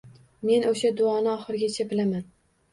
Men o`sha duoni oxirigacha bilaman